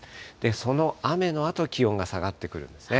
その雨のあと、気温が下がってくるんですね。